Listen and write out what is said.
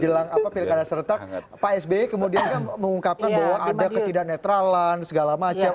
bilang pilih kandas serta pak sby kemudian mengungkapkan bahwa ada ketidaknetralan segala macam